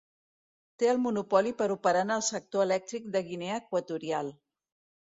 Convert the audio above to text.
Té el monopoli per operar en el sector elèctric de Guinea Equatorial.